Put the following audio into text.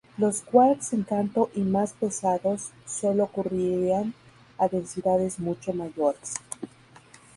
Los quarks encanto y más pesados solo ocurrirían a densidades mucho mayores.